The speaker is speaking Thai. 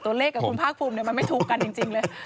ตัวเลขกับคุณภาคภูมิมันไม่ถูกกันจริงเลย